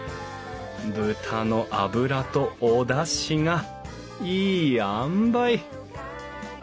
豚の脂とおだしがいいあんばい！